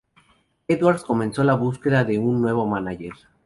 Edwards comenzó la búsqueda de un nuevo mánager.